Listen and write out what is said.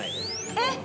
えっ。